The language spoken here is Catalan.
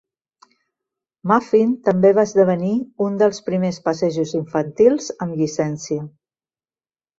Muffin també va esdevenir un dels primers passejos infantils amb llicència.